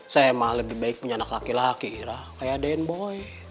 saya mah lebih baik punya anak laki laki irah kayak aden boy